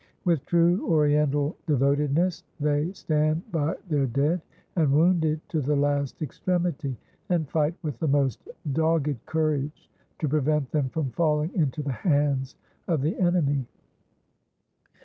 With true Oriental devotedness they stand by their dead and wounded to the last extremity, and fight with the most dogged courage to prevent them from falling into the hands of the enemy.